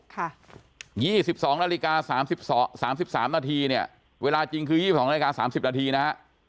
๒๒นาฬิกา๓๓นาทีเนี่ยเวลาจริงคือ๒๒นาฬิกา๓๐นาทีนะฮะ